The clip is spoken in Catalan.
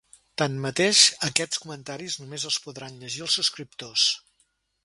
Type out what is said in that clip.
Tanmateix, aquests comentaris només els podran llegir els subscriptors.